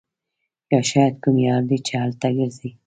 یا شاید کوم یاږ دی چې هلته ګرځي